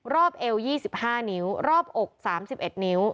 เอว๒๕นิ้วรอบอก๓๑นิ้ว